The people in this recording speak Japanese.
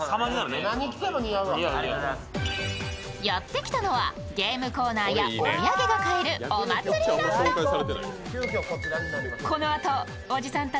やってきたのは、ゲームコーナーやお土産が買えるお祭りランド。